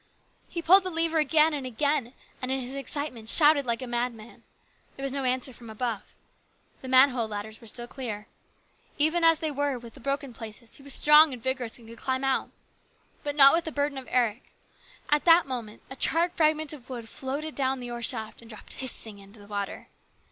He pulled the lever again and again, and in his excitement shouted like a madman. There was no answer from above. The manhole ladders were still clear. Even as they were, with the broken places, he was strong and vigorous and could climb out. But not with the burden of Eric. At that moment a charred fragment of wood floated down the ore shaft and dropped hissing into the water.